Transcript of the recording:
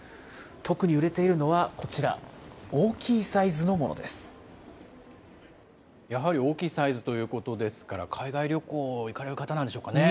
特に売れているのはこちら、大きやはり大きいサイズということですから、海外旅行行かれる方なんでしょうかね。